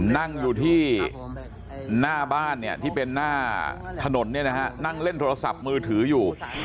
นั่งอยู่ที่หน้าบ้านที่เป็นหน้าถนนนั่งเล่นโทรศัพท์มือถืออยู่